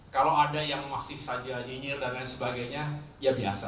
kalau ada yang masif saja nyinyir dan lain sebagainya ya biasa